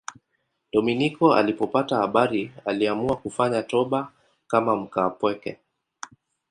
Dominiko alipopata habari aliamua kufanya toba kama mkaapweke.